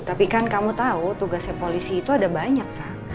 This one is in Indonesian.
tapi kan kamu tau tugasnya polisi itu ada banyak